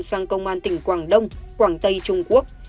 sang công an tỉnh quảng đông quảng tây trung quốc